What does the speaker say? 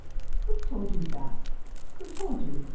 *'Who told you that? who told you?"